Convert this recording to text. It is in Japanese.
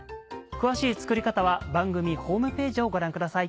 詳しい作り方は番組ホームページをご覧ください。